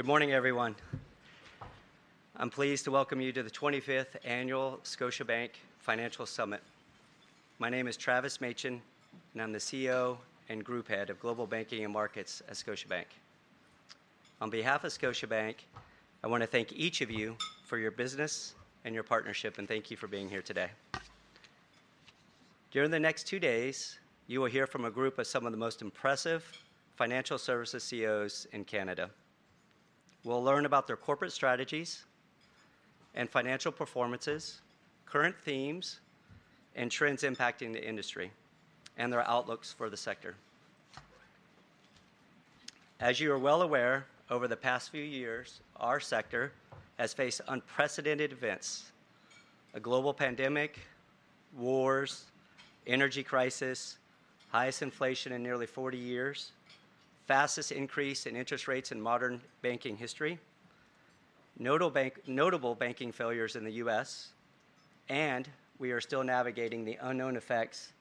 Good morning, everyone. I'm pleased to welcome you to the 25th Annual Scotiabank Financial Summit. My name is Travis Machen, and I'm the CEO and Group Head of Global Banking and Markets at Scotiabank. On behalf of Scotiabank, I want to thank each of you for your business and your partnership, and thank you for being here today. During the next two days, you will hear from a group of some of the most impressive financial services CEOs in Canada. We'll learn about their corporate strategies and financial performances, current themes and trends impacting the industry, and their outlooks for the sector. As you are well aware, over the past few years, our sector has faced unprecedented events: a global pandemic, wars, energy crisis, highest inflation in nearly 40 years, fastest increase in interest rates in modern banking history, notable banking failures in the U.S., and we are still navigating the unknown effects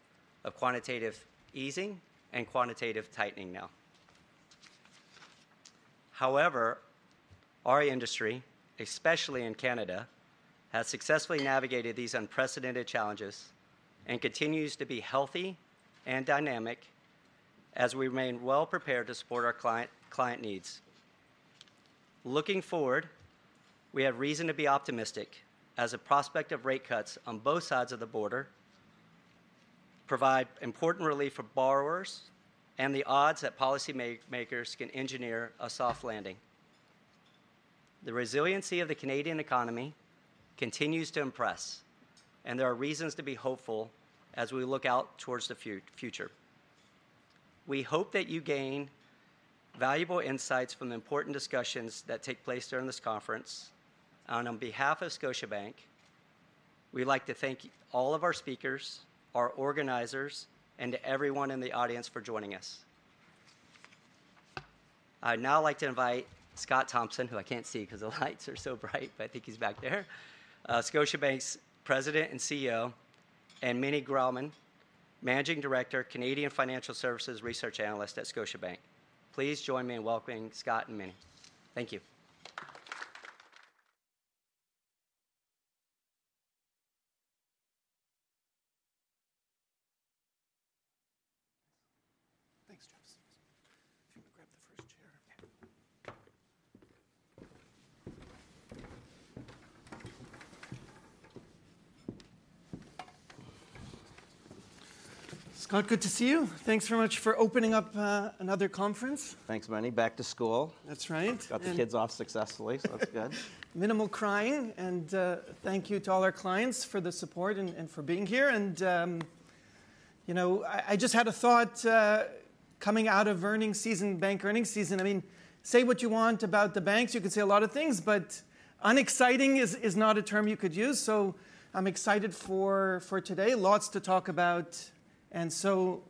of quantitative easing and quantitative tightening now. However, our industry, especially in Canada, has successfully navigated these unprecedented challenges and continues to be healthy and dynamic as we remain well prepared to support our client needs. Looking forward, we have reason to be optimistic, as a prospect of rate cuts on both sides of the border provide important relief for borrowers and the odds that policymakers can engineer a soft landing. The resiliency of the Canadian economy continues to impress, and there are reasons to be hopeful as we look out towards the future. We hope that you gain valuable insights from the important discussions that take place during this conference, and on behalf of Scotiabank, we'd like to thank all of our speakers, our organizers, and everyone in the audience for joining us. I'd now like to invite Scott Thomson, who I can't see 'cause the lights are so bright, but I think he's back there, Scotiabank's President and CEO, and Meny Grauman, Managing Director, Canadian Financial Services Research Analyst at Scotiabank. Please join me in welcoming Scott and Meny. Thank you. Thanks, Travis. If you wanna grab the first chair. Yeah. Scott, good to see you. Thanks very much for opening up another conference. Thanks, Meny. Back to school. That's right, and- Got the kids off successfully, so that's good. Minimal crying, and thank you to all our clients for the support and for being here. You know, I just had a thought coming out of earnings season, bank earnings season. I mean, say what you want about the banks, you could say a lot of things, but unexciting is not a term you could use. So I'm excited for today. Lots to talk about, and so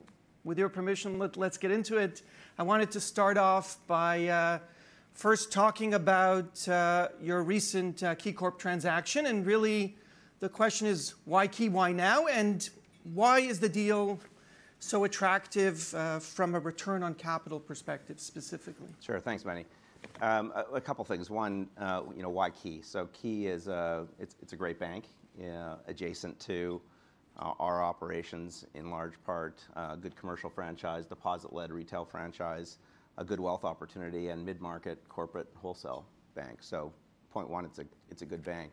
with your permission, let's get into it. I wanted to start off by first talking about your recent KeyCorp transaction, and really the question is, why Key, why now, and why is the deal so attractive from a return on capital perspective specifically? Sure. Thanks, Meny. A couple things. One, you know, why Key? So Key is, it's a great bank, adjacent to our operations in large part. Good commercial franchise, deposit-led retail franchise, a good wealth opportunity, and mid-market corporate wholesale bank. So point one, it's a good bank.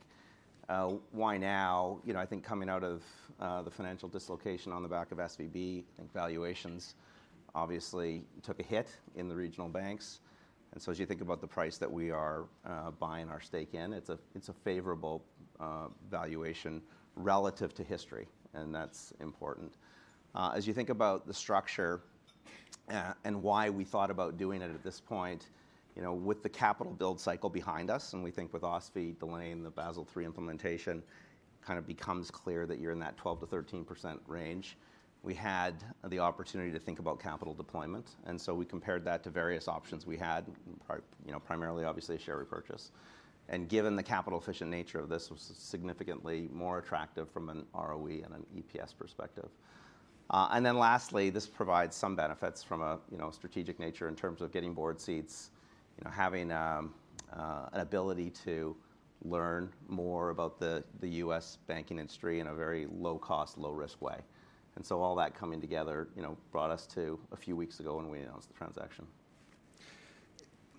Why now? You know, I think coming out of the financial dislocation on the back of SVB, I think valuations obviously took a hit in the regional banks, and so as you think about the price that we are buying our stake in, it's a favorable valuation relative to history, and that's important. As you think about the structure, and why we thought about doing it at this point, you know, with the capital build cycle behind us, and we think with OSFI delaying the Basel III implementation, kind of becomes clear that you're in that 12%-13% range. We had the opportunity to think about capital deployment, and so we compared that to various options we had, you know, primarily obviously share repurchase. And given the capital-efficient nature of this, was significantly more attractive from an ROE and an EPS perspective. And then lastly, this provides some benefits from a, you know, strategic nature in terms of getting board seats, you know, having, an ability to learn more about the, the U.S. banking industry in a very low-cost, low-risk way. All that coming together, you know, brought us to a few weeks ago when we announced the transaction.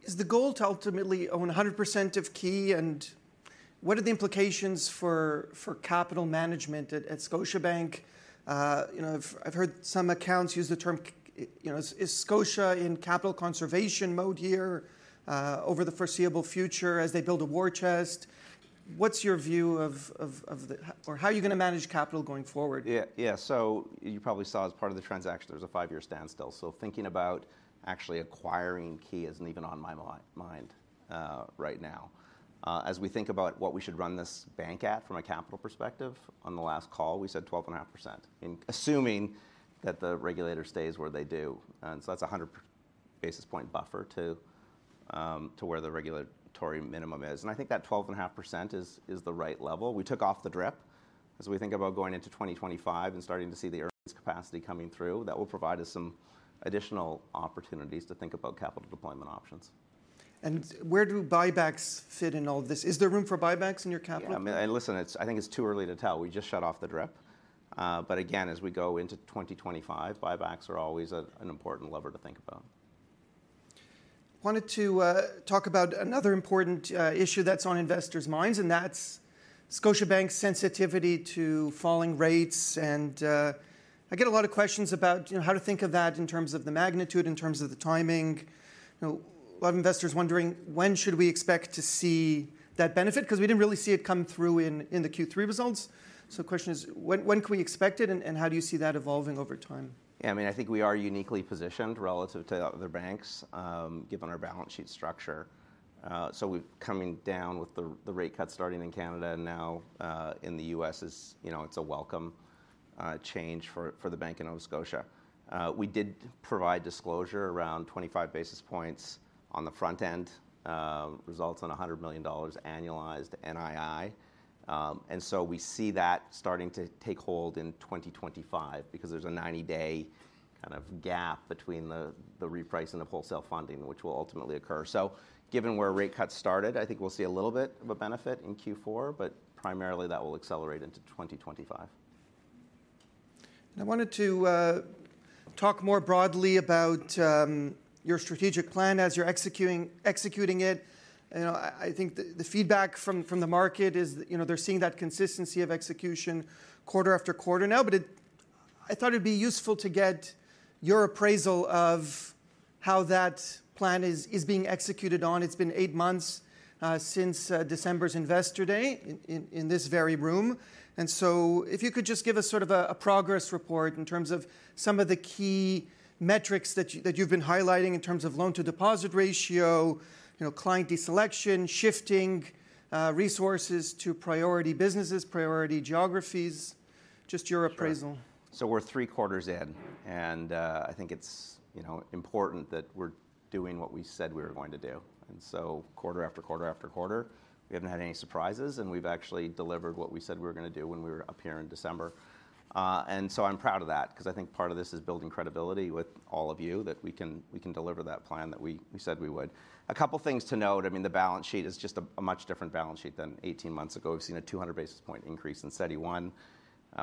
Is the goal to ultimately own 100% of Key, and what are the implications for capital management at Scotiabank? You know, I've heard some accounts use the term. You know, is Scotia in capital conservation mode here over the foreseeable future as they build a war chest? What's your view of the or how are you gonna manage capital going forward? Yeah, yeah. So you probably saw as part of the transaction, there was a five-year standstill, so thinking about actually acquiring Key isn't even on my mind right now. As we think about what we should run this bank at from a capital perspective, on the last call, we said 12.5%, assuming that the regulator stays where they do, and so that's a 100 basis point buffer to where the regulatory minimum is, and I think that 12.5% is the right level. We took off the DRIP as we think about going into 2025 and starting to see the earnings capacity coming through, that will provide us some additional opportunities to think about capital deployment options. Where do buybacks fit in all this? Is there room for buybacks in your capital plan? Yeah, I mean, listen, it's too early to tell. We just shut off the DRIP. But again, as we go into 2025, buybacks are always an important lever to think about. Wanted to talk about another important issue that's on investors' minds, and that's Scotiabank's sensitivity to falling rates. And I get a lot of questions about, you know, how to think of that in terms of the magnitude, in terms of the timing. You know, a lot of investors wondering: When should we expect to see that benefit? 'Cause we didn't really see it come through in the Q3 results. So the question is: When can we expect it, and how do you see that evolving over time? Yeah, I mean, I think we are uniquely positioned relative to other banks, given our balance sheet structure, so coming down with the rate cuts starting in Canada and now in the U.S. is, you know, it's a welcome change for the Bank of Nova Scotia. We did provide disclosure around 25 basis points on the front end results on 100 million dollars annualized NII, and so we see that starting to take hold in 2025 because there's a 90-day kind of gap between the reprice and the wholesale funding, which will ultimately occur, so given where rate cuts started, I think we'll see a little bit of a benefit in Q4, but primarily that will accelerate into 2025. I wanted to talk more broadly about your strategic plan as you're executing it. You know, I think the feedback from the market is, you know, they're seeing that consistency of execution quarter after quarter now. But I thought it'd be useful to get your appraisal of how that plan is being executed on. It's been eight months since December's Investor Day in this very room. So if you could just give us sort of a progress report in terms of some of the key metrics that you've been highlighting in terms of loan-to-deposit ratio, you know, client deselection, shifting resources to priority businesses, priority geographies. Just your appraisal. Sure. So we're three quarters in, and I think it's, you know, important that we're doing what we said we were going to do. And so quarter after quarter after quarter, we haven't had any surprises, and we've actually delivered what we said we were gonna do when we were up here in December. And so I'm proud of that 'cause I think part of this is building credibility with all of you, that we can, we can deliver that plan that we, we said we would. A couple things to note. I mean, the balance sheet is just a much different balance sheet than 18 months ago. We've seen a 200 basis point increase in CET1.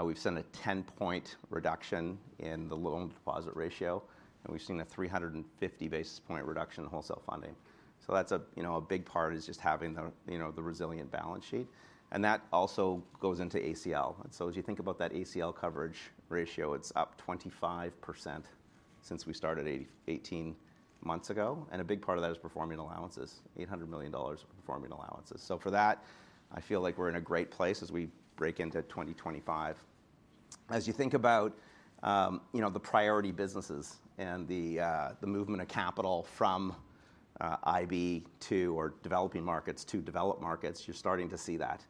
We've seen a 10-point reduction in the loan-to-deposit ratio, and we've seen a 350 basis point reduction in wholesale funding. So that's a big part is just having the resilient balance sheet, and that also goes into ACL. As you think about that ACL coverage ratio, it's up 25% since we started eighteen months ago, and a big part of that is performing allowances, $800 million of performing allowances. For that, I feel like we're in a great place as we break into 2025. As you think about the priority businesses and the movement of capital from IB to or developing markets to developed markets, you're starting to see that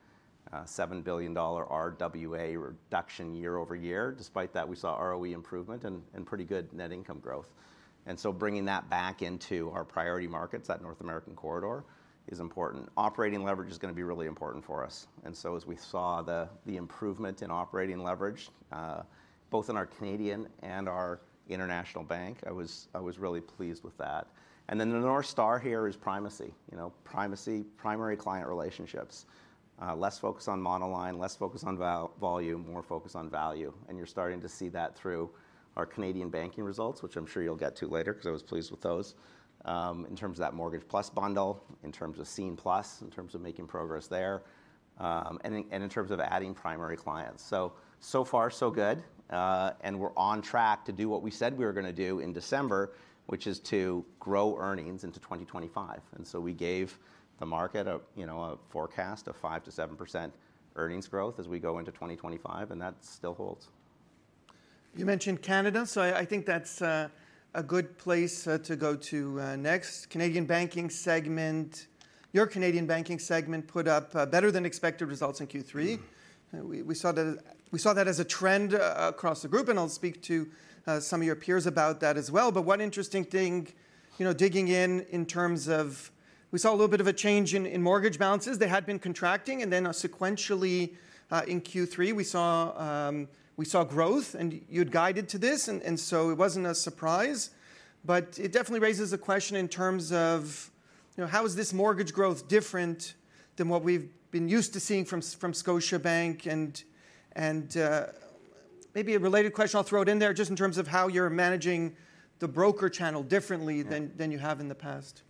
seven billion dollar RWA reduction year over year. Despite that, we saw ROE improvement and pretty good net income growth. Bringing that back into our priority markets, that North American corridor, is important. Operating leverage is gonna be really important for us, and so as we saw the improvement in operating leverage both in our Canadian and our international bank, I was really pleased with that. And then the North Star here is primacy. You know, primacy, primary client relationships. Less focus on monoline, less focus on volume, more focus on value, and you're starting to see that through our Canadian Banking results, which I'm sure you'll get to later, 'cause I was pleased with those. In terms of that mortgage plus bundle, in terms of Scene+, in terms of making progress there, and in terms of adding primary clients. So far, so good, and we're on track to do what we said we were gonna do in December, which is to grow earnings into 2025. So we gave the market a, you know, a forecast of 5%-7% earnings growth as we go into 2025, and that still holds. You mentioned Canada, so I think that's a good place to go to next. Canadian Banking segment. Your Canadian Banking segment put up better-than-expected results in Q3. Mm. We saw that as a trend across the group, and I'll speak to some of your peers about that as well. But one interesting thing, you know, digging in terms of... We saw a little bit of a change in mortgage balances. They had been contracting, and then sequentially in Q3 we saw growth, and you'd guided to this, and so it wasn't a surprise. But it definitely raises the question in terms of, you know, how is this mortgage growth different than what we've been used to seeing from Scotiabank? Maybe a related question, I'll throw it in there, just in terms of how you're managing the broker channel differently- Mm... than you have in the past.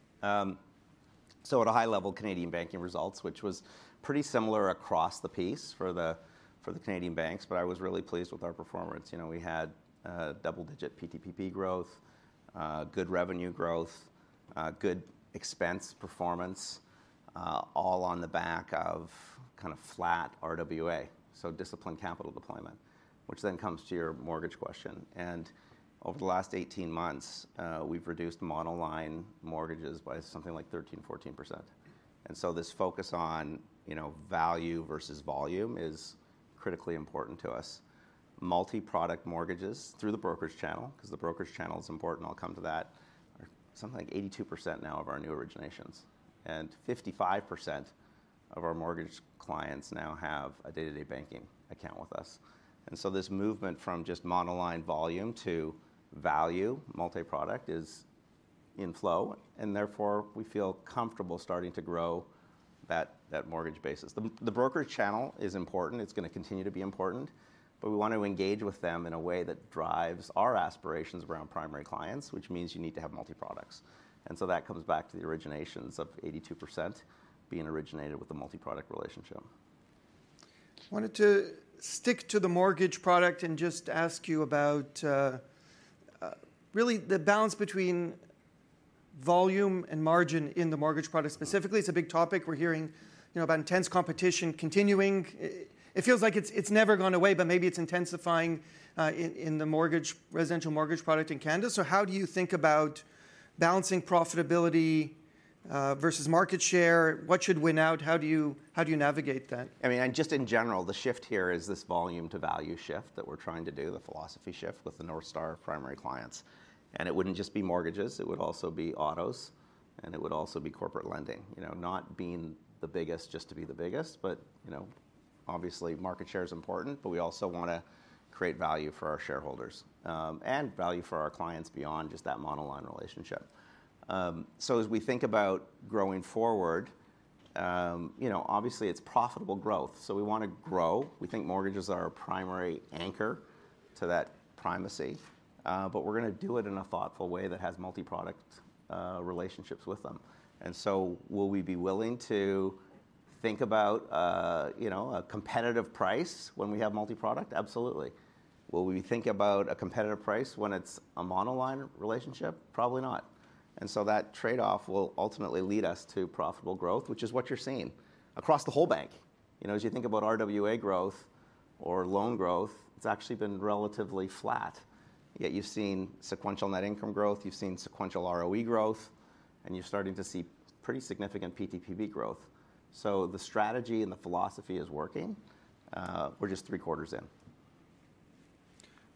So at a high level, Canadian Banking results, which was pretty similar across the board for the Canadian banks, but I was really pleased with our performance. You know, we had double-digit PTPP growth, good revenue growth, good expense performance, all on the back of kind of flat RWA, so disciplined capital deployment. Which then comes to your mortgage question. Over the last 18 months, we've reduced monoline mortgages by something like 13%-14%. And so this focus on, you know, value versus volume is critically important to us. Multi-product mortgages through the brokers channel, 'cause the brokers channel is important. I'll come to that. Something like 82% now of our new originations, and 55% of our mortgage clients now have a day-to-day banking account with us. This movement from just monoline volume to value, multi-product, is in flow, and therefore, we feel comfortable starting to grow that mortgage basis. The broker channel is important. It's gonna continue to be important, but we want to engage with them in a way that drives our aspirations around primary clients, which means you need to have multi-products. And so that comes back to the originations of 82% being originated with a multi-product relationship. Wanted to stick to the mortgage product and just ask you about really the balance between volume and margin in the mortgage product specifically. It's a big topic. We're hearing, you know, about intense competition continuing. It feels like it's never gone away, but maybe it's intensifying in the mortgage-residential mortgage product in Canada. So how do you think about balancing profitability versus market share? What should win out? How do you navigate that? I mean, and just in general, the shift here is this volume to value shift that we're trying to do, the philosophy shift with the North Star primary clients, and it wouldn't just be mortgages, it would also be autos, and it would also be corporate lending. You know, not being the biggest just to be the biggest, but, you know, obviously market share is important, but we also want to create value for our shareholders, and value for our clients beyond just that monoline relationship, so as we think about growing forward, you know, obviously it's profitable growth, so we want to grow. We think mortgages are our primary anchor to that primacy, but we're gonna do it in a thoughtful way that has multi-product relationships with them. And so will we be willing to think about, you know, a competitive price when we have multi-product? Absolutely. Will we think about a competitive price when it's a monoline relationship? Probably not. And so that trade-off will ultimately lead us to profitable growth, which is what you're seeing across the whole bank. You know, as you think about RWA growth or loan growth, it's actually been relatively flat. Yet you've seen sequential net income growth, you've seen sequential ROE growth, and you're starting to see pretty significant PTPP growth. So the strategy and the philosophy is working. We're just three quarters in.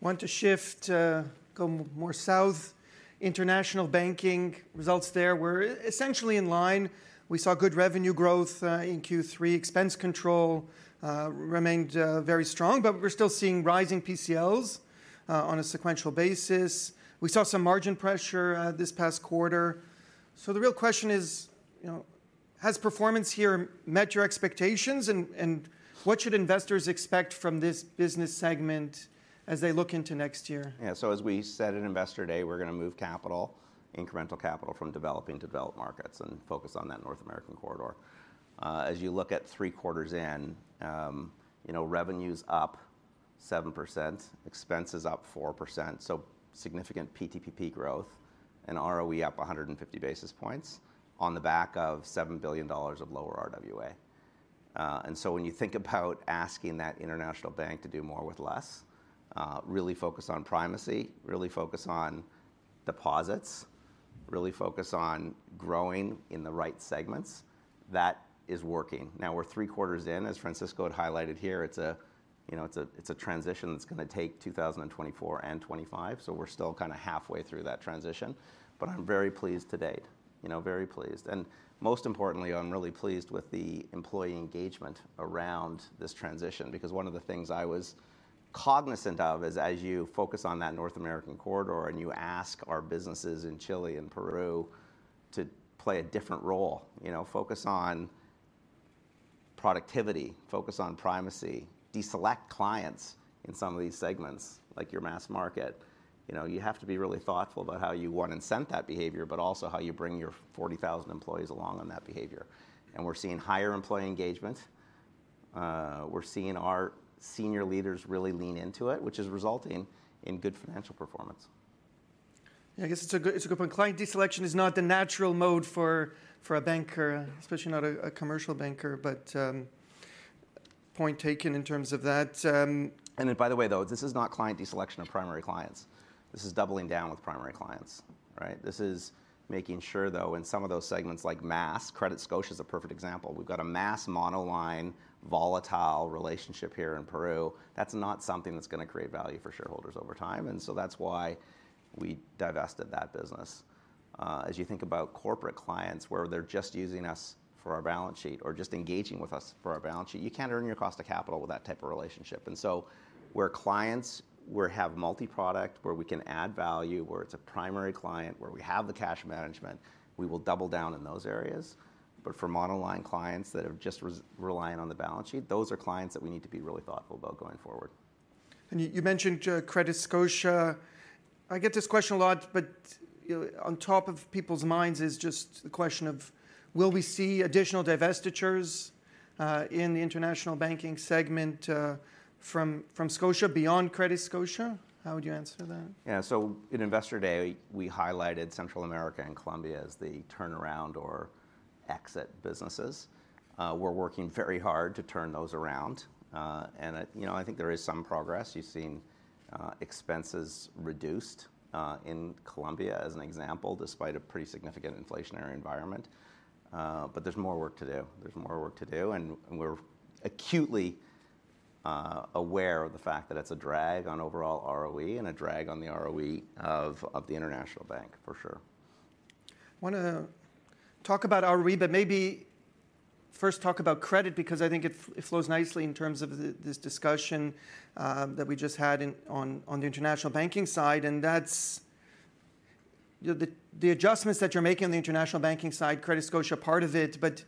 Want to shift, go more south. International Banking results there were essentially in line. We saw good revenue growth in Q3. Expense control remained very strong, but we're still seeing rising PCLs on a sequential basis. We saw some margin pressure this past quarter. So the real question is, you know, has performance here met your expectations, and what should investors expect from this business segment as they look into next year? Yeah. So as we said in Investor Day, we're going to move capital, incremental capital, from developing to developed markets and focus on that North American corridor. As you look at three quarters in, you know, revenue's up 7%, expense is up 4%, so significant PTPP growth, and ROE up one hundred and fifty basis points on the back of 7 billion dollars of lower RWA. And so when you think about asking that international bank to do more with less, really focus on primacy, really focus on deposits, really focus on growing in the right segments, that is working. Now, we're three quarters in, as Francisco had highlighted here, it's a transition that's gonna take 2024 and 2025, so we're still kind of halfway through that transition. But I'm very pleased to date. You know, very pleased. And most importantly, I'm really pleased with the employee engagement around this transition, because one of the things I was cognizant of is, as you focus on that North American corridor, and you ask our businesses in Chile and Peru to play a different role, you know, focus on productivity, focus on primacy, deselect clients in some of these segments, like your mass market, you know, you have to be really thoughtful about how you want to incent that behavior, but also how you bring your 40,000 employees along on that behavior. And we're seeing higher employee engagement, we're seeing our senior leaders really lean into it, which is resulting in good financial performance. Yeah, I guess it's a good, it's a good point. Client deselection is not the natural mode for, for a banker, especially not a, a commercial banker, but, point taken in terms of that. And by the way, though, this is not client deselection of primary clients. This is doubling down with primary clients, right? This is making sure, though, in some of those segments, like mass, CrediScotia is a perfect example. We've got a mass monoline, volatile relationship here in Peru. That's not something that's gonna create value for shareholders over time, and so that's why we divested that business. As you think about corporate clients, where they're just using us for our balance sheet or just engaging with us for our balance sheet, you can't earn your cost of capital with that type of relationship. And so where clients, where have multi-product, where we can add value, where it's a primary client, where we have the cash management, we will double down in those areas. But for monoline clients that are just reliant on the balance sheet, those are clients that we need to be really thoughtful about going forward. You mentioned CrediScotia. I get this question a lot, but, you know, on top of people's minds is just the question of: Will we see additional divestitures in the international banking segment from Scotia, beyond CrediScotia? How would you answer that? Yeah. So in Investor Day, we highlighted Central America and Colombia as the turnaround or exit businesses. We're working very hard to turn those around. And, you know, I think there is some progress. You've seen expenses reduced in Colombia as an example, despite a pretty significant inflationary environment. But there's more work to do. There's more work to do, and we're acutely aware of the fact that it's a drag on overall ROE and a drag on the ROE of the international bank, for sure. I wanna talk about ROE, but maybe first talk about credit, because I think it flows nicely in terms of this discussion that we just had in on the international banking side. And that's, you know, the adjustments that you're making on the international banking side, CrediScotia part of it, but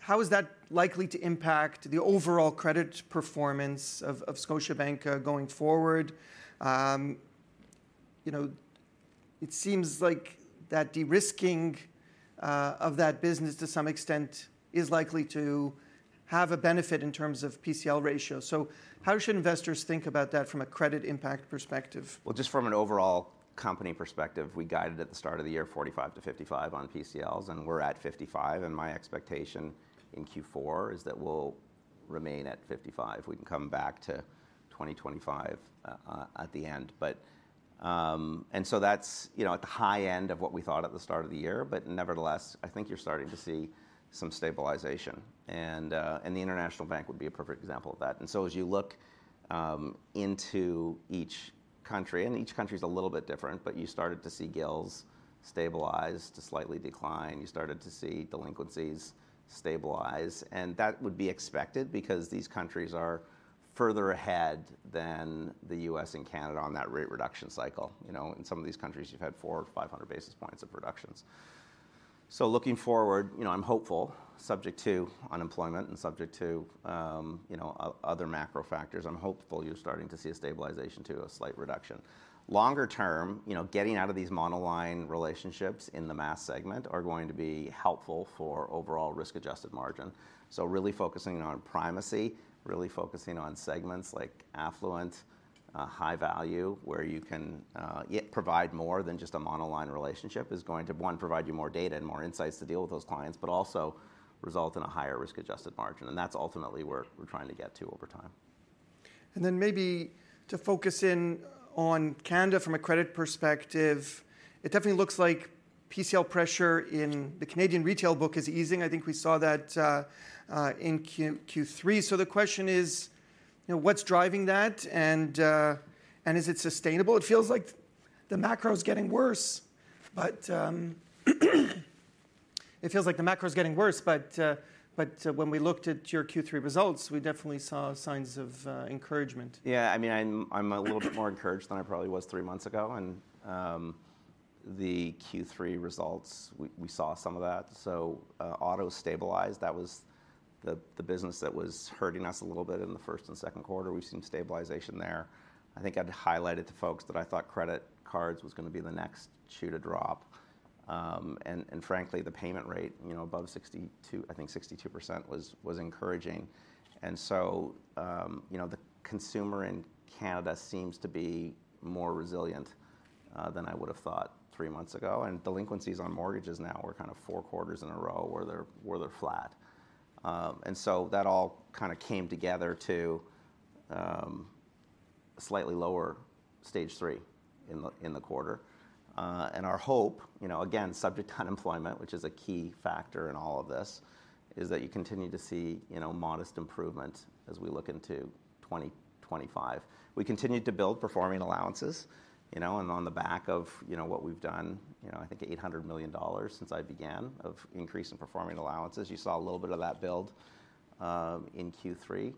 how is that likely to impact the overall credit performance of Scotiabank going forward? You know, it seems like that de-risking of that business, to some extent, is likely to have a benefit in terms of PCL ratio. So how should investors think about that from a credit impact perspective? Just from an overall company perspective, we guided at the start of the year 45-55 on PCLs, and we're at 55, and my expectation in Q4 is that we'll remain at 55. We can come back to 2025 at the end. But that's, you know, at the high end of what we thought at the start of the year, but nevertheless, I think you're starting to see some stabilization. And the international bank would be a perfect example of that. And so as you look into each country, and each country is a little bit different, but you started to see GILs stabilize to slightly decline. You started to see delinquencies stabilize, and that would be expected because these countries are further ahead than the U.S. and Canada on that rate reduction cycle. You know, in some of these countries, you've had four or five hundred basis points of reductions. So looking forward, you know, I'm hopeful, subject to unemployment and subject to, you know, other macro factors. I'm hopeful you're starting to see a stabilization to a slight reduction. Longer term, you know, getting out of these monoline relationships in the mass segment are going to be helpful for overall risk-adjusted margin. So really focusing on primacy, really focusing on segments like affluent, high value, where you can yet provide more than just a monoline relationship, is going to, one, provide you more data and more insights to deal with those clients, but also result in a higher risk-adjusted margin, and that's ultimately where we're trying to get to over time. Then maybe to focus in on Canada from a credit perspective, it definitely looks like PCL pressure in the Canadian retail book is easing. I think we saw that in Q3. So the question is, you know, what's driving that, and is it sustainable? It feels like the macro is getting worse, but when we looked at your Q3 results, we definitely saw signs of encouragement. Yeah, I mean, I'm a little bit more encouraged than I probably was three months ago, and the Q3 results, we saw some of that. So, auto stabilized, that was the business that was hurting us a little bit in the first and second quarter. We've seen stabilization there. I think I'd highlighted to folks that I thought credit cards was gonna be the next shoe to drop. And frankly, the payment rate, you know, above 62, I think 62%, was encouraging. And so, you know, the consumer in Canada seems to be more resilient than I would have thought three months ago. And delinquencies on mortgages now are kind of four quarters in a row where they're flat. And so that all kinda came together to slightly lower Stage 3 in the quarter. And our hope, you know, again, subject to unemployment, which is a key factor in all of this, is that you continue to see, you know, modest improvement as we look into 2025. We continued to build performing allowances, you know, and on the back of, you know, what we've done, you know, I think 800 million dollars since I began of increase in performing allowances. You saw a little bit of that build in Q3.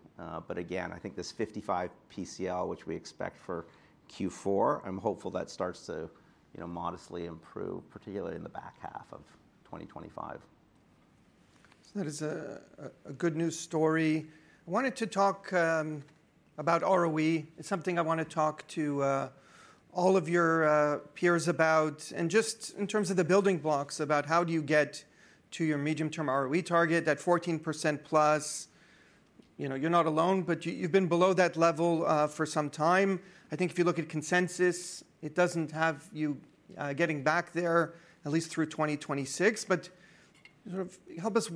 But again, I think this 55 PCL, which we expect for Q4, I'm hopeful that starts to, you know, modestly improve, particularly in the back half of 2025. So that is a good news story. I wanted to talk about ROE. It's something I want to talk to all of your peers about. And just in terms of the building blocks, about how do you get to your medium-term ROE target, that 14% plus? You know, you're not alone, but you, you've been below that level for some time. I think if you look at consensus, it doesn't have you getting back there at least through 2026. But sort of help us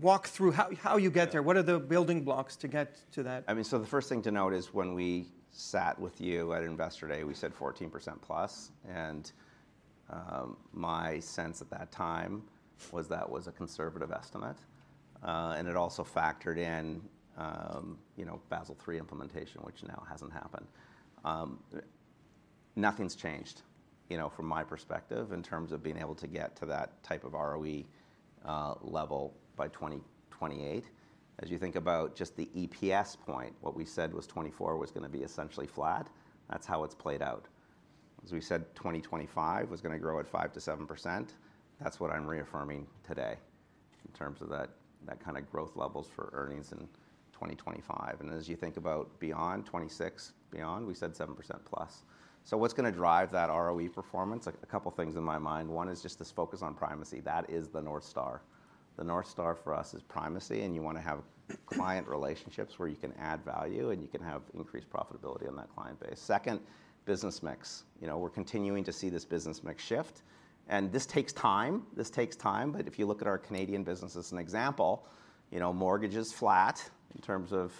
walk through how you get there. What are the building blocks to get to that? I mean, so the first thing to note is when we sat with you at Investor Day, we said 14% plus, and, my sense at that time was that was a conservative estimate, and it also factored in, you know, Basel III implementation, which now hasn't happened. Nothing's changed, you know, from my perspective, in terms of being able to get to that type of ROE level by 2028. As you think about just the EPS point, what we said was 24 was gonna be essentially flat. That's how it's played out. As we said, 2025 was gonna grow at 5%-7%. That's what I'm reaffirming today in terms of that, that kind of growth levels for earnings in 2025. And as you think about beyond 2026, beyond, we said 7% plus. What's gonna drive that ROE performance? A couple of things in my mind. One is just this focus on primacy. That is the North Star. The North Star for us is primacy, and you want to have client relationships where you can add value, and you can have increased profitability on that client base. Second, business mix. You know, we're continuing to see this business mix shift, and this takes time. This takes time. But if you look at our Canadian business as an example, you know, mortgage is flat in terms of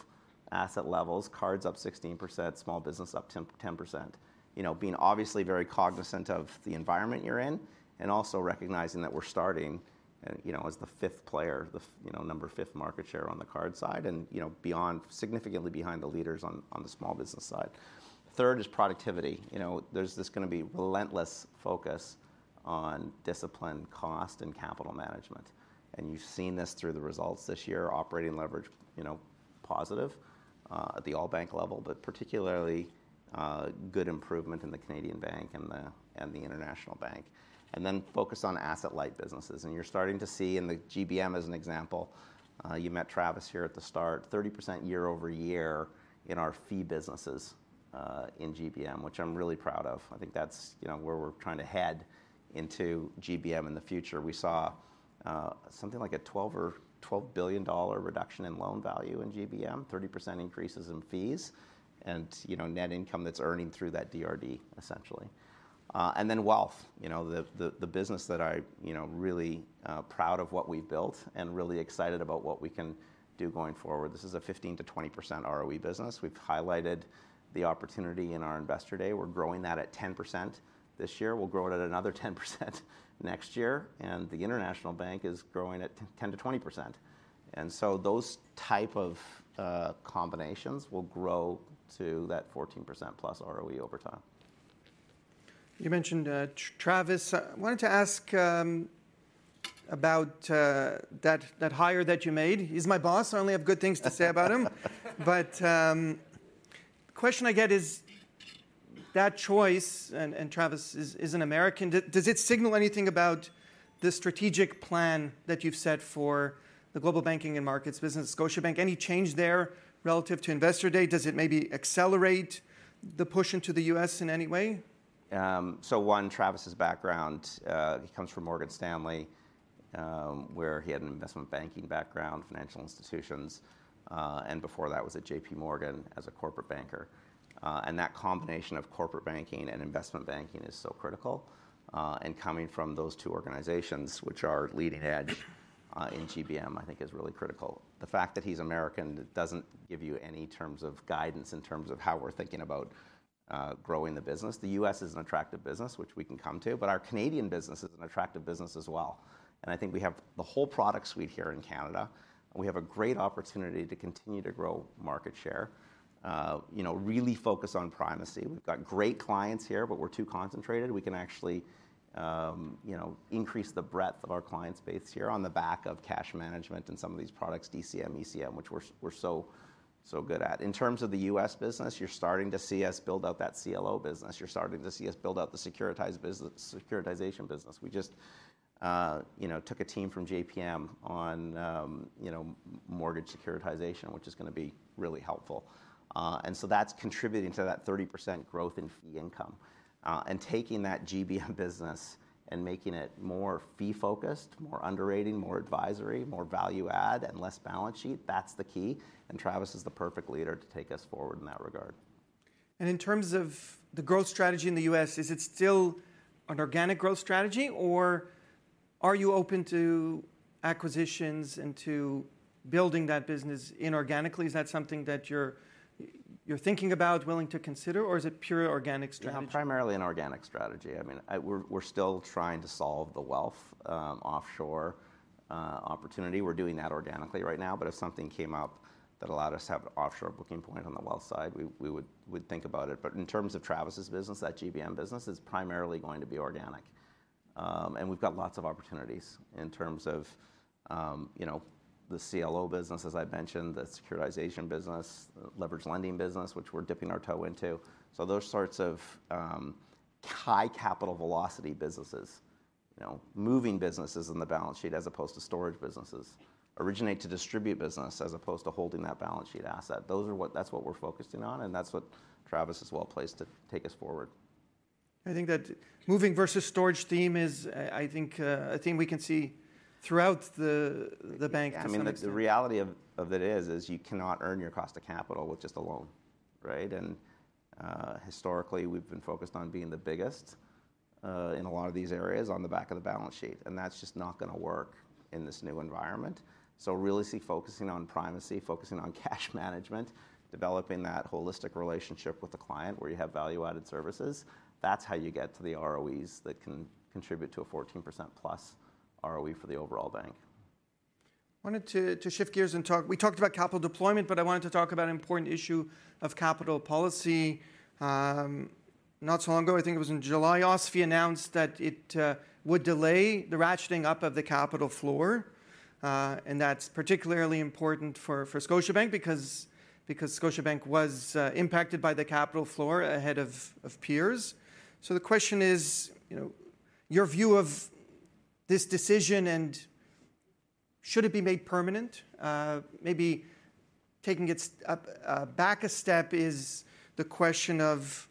asset levels, cards up 16%, small business up 10, 10%. You know, being obviously very cognizant of the environment you're in, and also recognizing that we're starting, you know, as the fifth player, you know, number five market share on the card side, and, you know, beyond, significantly behind the leaders on, on the small business side. Third is productivity. You know, there's just gonna be relentless focus on discipline, cost, and capital management, and you've seen this through the results this year. Operating leverage, you know, positive, at the all bank level, but particularly, good improvement in the Canadian bank and the, and the international bank. And then focus on asset-light businesses, and you're starting to see in the GBM as an example. You met Travis here at the start. 30% year-over-year in our fee businesses, in GBM, which I'm really proud of. I think that's, you know, where we're trying to head into GBM in the future. We saw something like a 12 or $12 billion reduction in loan value in GBM, 30% increases in fees, and, you know, net income that's earning through that DRD, essentially. And then wealth, you know, the business that I... You know, really proud of what we've built and really excited about what we can do going forward. This is a 15%-20% ROE business. We've highlighted the opportunity in our Investor Day. We're growing that at 10% this year. We'll grow it at another 10% next year, and the international bank is growing at 10%-20%. And so those type of combinations will grow to that 14%-plus ROE over time. You mentioned, Travis. I wanted to ask about that hire that you made. He's my boss. I only have good things to say about him. But, question I get is, that choice, and Travis is an American. Does it signal anything about the strategic plan that you've set for the global banking and markets business at Scotiabank? Any change there relative to Investor Day? Does it maybe accelerate the push into the U.S. in any way? So, one, Travis's background, he comes from Morgan Stanley, where he had an investment banking background, financial institutions, and before that was at JPMorgan as a corporate banker. And that combination of corporate banking and investment banking is so critical. And coming from those two organizations, which are leading edge in GBM, I think is really critical. The fact that he's American doesn't give you any terms of guidance in terms of how we're thinking about growing the business. The U.S. is an attractive business, which we can come to, but our Canadian business is an attractive business as well, and I think we have the whole product suite here in Canada, and we have a great opportunity to continue to grow market share. You know, really focus on primacy. We've got great clients here, but we're too concentrated. We can actually, you know, increase the breadth of our client base here on the back of cash management and some of these products, DCM, ECM, which we're so, so good at. In terms of the U.S. business, you're starting to see us build out that CLO business. You're starting to see us build out the securitized business, securitization business. We just, you know, took a team from JPM on, you know, mortgage securitization, which is gonna be really helpful, and so that's contributing to that 30% growth in fee income, and taking that GBM business and making it more fee-focused, more underwriting, more advisory, more value add, and less balance sheet, that's the key, and Travis is the perfect leader to take us forward in that regard. In terms of the growth strategy in the US, is it still an organic growth strategy, or are you open to acquisitions and to building that business inorganically? Is that something that you're thinking about, willing to consider, or is it pure organic strategy? Yeah, primarily an organic strategy. I mean, we're still trying to solve the wealth offshore opportunity. We're doing that organically right now, but if something came up that allowed us to have an offshore booking point on the wealth side, we would think about it. But in terms of Travis's business, that GBM business is primarily going to be organic. And we've got lots of opportunities in terms of, you know, the CLO business, as I've mentioned, the securitization business, leverage lending business, which we're dipping our toe into. So those sorts of high capital velocity businesses, you know, moving businesses in the balance sheet as opposed to storage businesses. Originate to distribute business, as opposed to holding that balance sheet asset. That's what we're focusing on, and that's what Travis is well-placed to take us forward. I think that moving versus storage theme is, I think, a theme we can see throughout the bank as an- I mean, the reality of it is you cannot earn your cost of capital with just a loan, right? Mm-hmm. And, historically, we've been focused on being the biggest, in a lot of these areas on the back of the balance sheet, and that's just not gonna work in this new environment. So really see focusing on primacy, focusing on cash management, developing that holistic relationship with the client, where you have value-added services, that's how you get to the ROEs that can contribute to a 14%-plus ROE for the overall bank. Wanted to shift gears and talk. We talked about capital deployment, but I wanted to talk about an important issue of capital policy. Not so long ago, I think it was in July, OSFI announced that it would delay the ratcheting up of the capital floor. That's particularly important for Scotiabank because Scotiabank was impacted by the capital floor ahead of peers. So the question is, you know, your view of this decision, and should it be made permanent? Maybe taking it back a step, is the question of,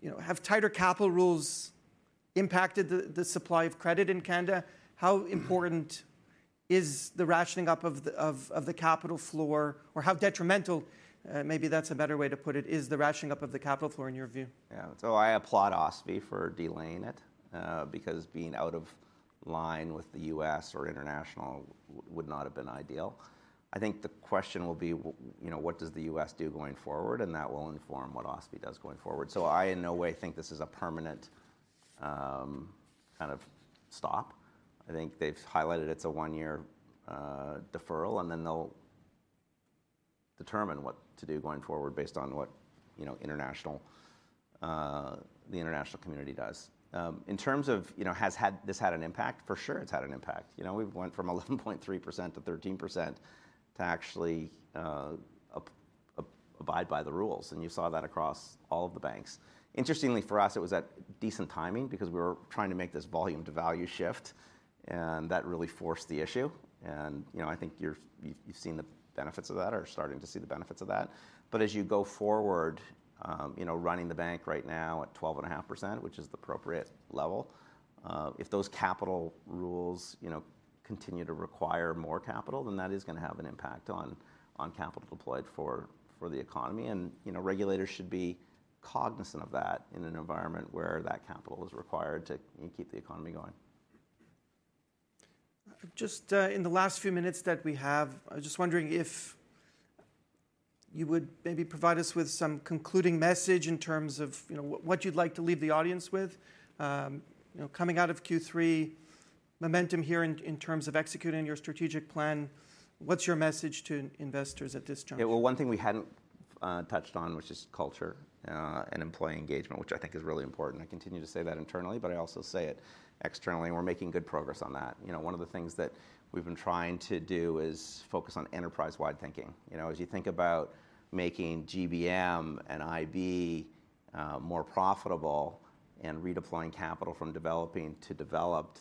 you know, have tighter capital rules impacted the supply of credit in Canada? How important is the ratcheting up of the capital floor? Or how detrimental, maybe that's a better way to put it, is the rationing up of the capital floor in your view? Yeah. So I applaud OSFI for delaying it, because being out of line with the U.S. or international would not have been ideal. I think the question will be you know, what does the U.S. do going forward? And that will inform what OSFI does going forward. So I in no way think this is a permanent, kind of stop. I think they've highlighted it's a one-year, deferral, and then they'll determine what to do going forward based on what, you know, the international community does. In terms of, you know, has this had an impact? For sure, it's had an impact. You know, we've went from 11.3% to 13% to actually, abide by the rules, and you saw that across all of the banks. Interestingly, for us, it was at decent timing because we were trying to make this volume-to-value shift, and that really forced the issue. You know, I think you've seen the benefits of that or are starting to see the benefits of that. But as you go forward, you know, running the bank right now at 12.5%, which is the appropriate level, if those capital rules, you know, continue to require more capital, then that is gonna have an impact on capital deployed for the economy. You know, regulators should be cognizant of that in an environment where that capital is required to, you know, keep the economy going. Just, in the last few minutes that we have, I was just wondering if you would maybe provide us with some concluding message in terms of, you know, what you'd like to leave the audience with. You know, coming out of Q3, momentum here in terms of executing your strategic plan, what's your message to investors at this juncture? Yeah, well, one thing we hadn't touched on, which is culture and employee engagement, which I think is really important. I continue to say that internally, but I also say it externally, and we're making good progress on that. You know, one of the things that we've been trying to do is focus on enterprise-wide thinking. You know, as you think about making GBM and IB more profitable and redeploying capital from developing to developed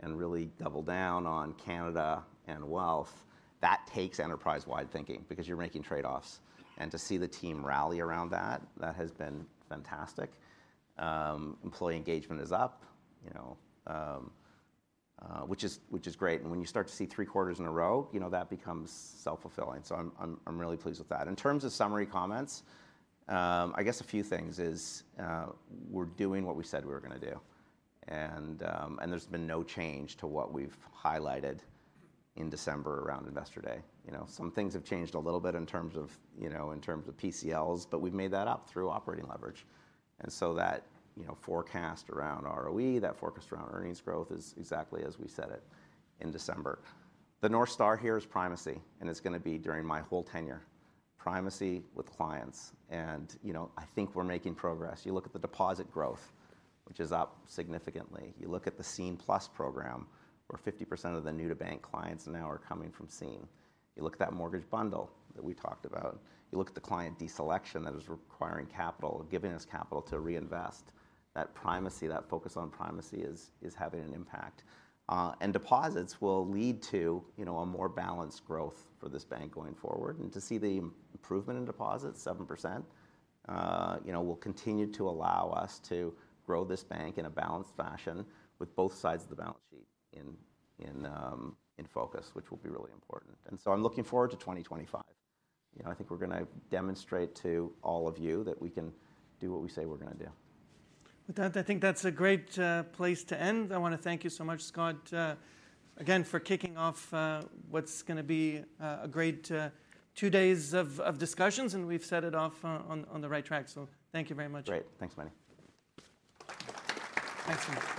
and really double down on Canada and wealth, that takes enterprise-wide thinking because you're making trade-offs. And to see the team rally around that, that has been fantastic. Employee engagement is up, you know, which is great. And when you start to see three quarters in a row, you know, that becomes self-fulfilling. So I'm really pleased with that. In terms of summary comments, I guess a few things is, we're doing what we said we were gonna do, and, and there's been no change to what we've highlighted in December around Investor Day. You know, some things have changed a little bit in terms of, you know, in terms of PCLs, but we've made that up through operating leverage. And so that, you know, forecast around ROE, that forecast around earnings growth is exactly as we said it in December. The North Star here is primacy, and it's gonna be during my whole tenure, primacy with clients. And, you know, I think we're making progress. You look at the deposit growth, which is up significantly. You look at the Scene+ program, where 50% of the new-to-bank clients now are coming from Scene. You look at that mortgage bundle that we talked about. You look at the client deselection that is requiring capital, giving us capital to reinvest. That primacy, that focus on primacy is having an impact. And deposits will lead to, you know, a more balanced growth for this bank going forward. And to see the improvement in deposits, 7%, you know, will continue to allow us to grow this bank in a balanced fashion with both sides of the balance sheet in focus, which will be really important. And so I'm looking forward to 2025. You know, I think we're gonna demonstrate to all of you that we can do what we say we're gonna do. With that, I think that's a great place to end. I wanna thank you so much, Scott, again, for kicking off what's gonna be a great two days of discussions, and we've set it off on the right track. So thank you very much. Great. Thanks, Meny. Excellent. Thank you.